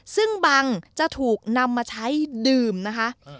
ซึ่งบังจะถูกนำมาใช้ดื่มนะคะ